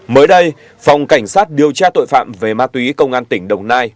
mới đây phòng cảnh sát điều tra tội phạm về ma túy công an tỉnh đồng nai